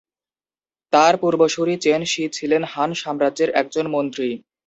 তার পূর্বসূরী Chen Shi ছিলেন হান সম্রাজ্যের একজন মন্ত্রী।